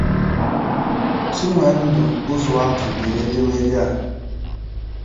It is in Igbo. Chinwendu Uzoatu dere edemede a